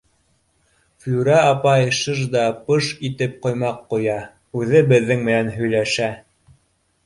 Флүрә апай шыж да пыж итеп ҡоймаҡ ҡоя, үҙе беҙҙең менән һөйләшә: